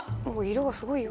色がすごいよ。